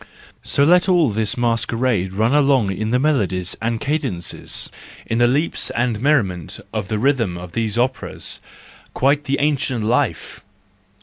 So let all this masquerade run along in the melodies and cadences, in the leaps and merriment of the rhythm of these operas! Quite the ancient life!